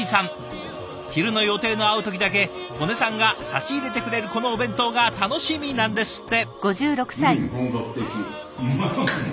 昼の予定の合う時だけ刀祢さんが差し入れてくれるこのお弁当が楽しみなんですって。